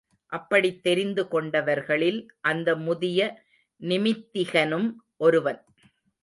அப்படித் தெரிந்து கொண்டவர்களில் அந்த முதிய நிமித்திகனும் ஒருவன்.